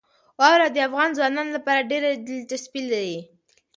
واوره د افغان ځوانانو لپاره ډېره دلچسپي لري.